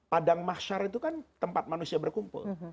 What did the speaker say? padang masyar itu kan tempat manusia berkumpul